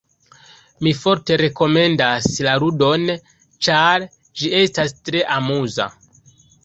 Mi forte rekomendas la ludon, ĉar ĝi estas tre amuza.